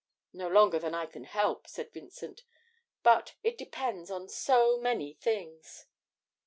'No longer than I can help,' said Vincent, 'but it depends on so many things.'